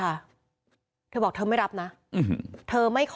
คือไม่ห่วงไม่หาวแล้วไป